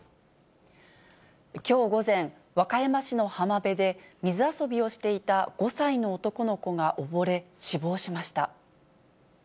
きょう午前、和歌山市の浜辺で、水遊びをしていた５歳の男の子が溺れ、死亡しました。